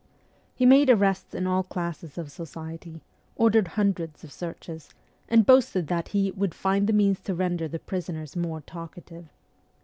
He made arrests in all classes of society, ordered hundreds of searches, and boasted that he ' would find the means to render the prisoners more talkative.'